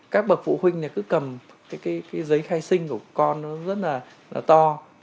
các bậc phụ huynh cứ cầm giấy khai sinh của con rất to